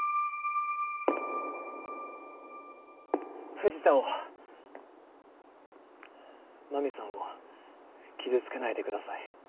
藤田を真実さんを傷つけないでください。